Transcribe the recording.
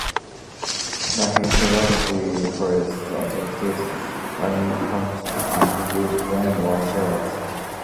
The Heytesbury Forest attracted logging companies and with them more settlers.